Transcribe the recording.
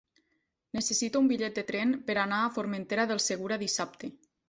Necessito un bitllet de tren per anar a Formentera del Segura dissabte.